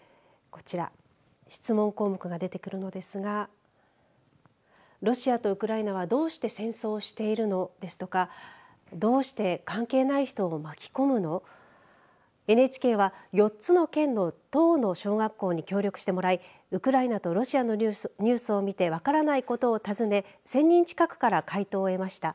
こちら、質問項目が出てくるのですがロシアとウクライナはどうして戦争をしているのですとかどうして関係ない人も巻き込むのＮＨＫは４つの県の１０の小学校に協力してもらいウクライナとロシアのニュースを見て分からないことをたずね１０００人近くから回答を得ました。